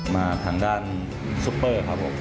มาทางด้านซุปเปอร์ครับผม